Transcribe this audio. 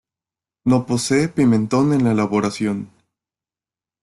No posee pimentón en la elaboración.